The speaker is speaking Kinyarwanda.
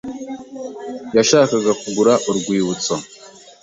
yashakaga kugura urwibutso.